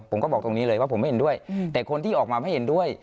ผมก็บอกตรงนี้เลยว่าผมไม่เห็นด้วยแต่คนที่ออกมาไม่เห็นด้วย